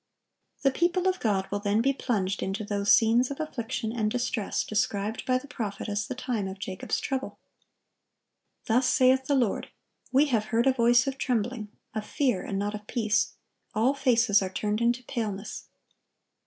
The people of God will then be plunged into those scenes of affliction and distress described by the prophet as the time of Jacob's trouble. "Thus saith the Lord: We have heard a voice of trembling, of fear, and not of peace.... All faces are turned into paleness.